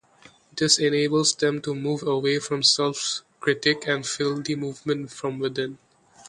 This enables them to move away from self-critique and feel the movement from within.